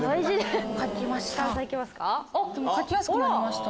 描きました。